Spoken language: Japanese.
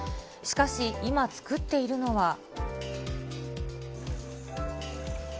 しかし今、作っているのは。